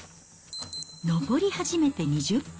上り始めて２０分。